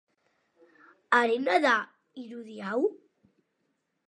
Harena da irudi hau.